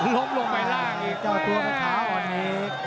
ล้มลงไปล่างอีกแม่